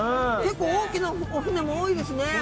結構大きなお船も多いですね。